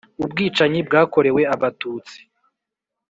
ubwicanyi bwakorewe abatutsi,